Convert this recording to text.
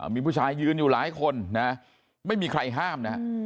มีผู้ชายยืนอยู่หลายคนนะไม่มีใครห้ามนะ